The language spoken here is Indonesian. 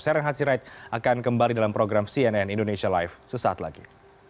seren hatsirait akan kembali dalam program cnn indonesia live sesaat lagi